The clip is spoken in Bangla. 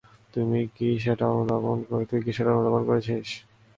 তুই কি সেটা অনুধাবন করেছিস?